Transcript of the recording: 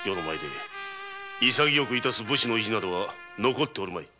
潔く身を処す武士の意地など残っておるまい。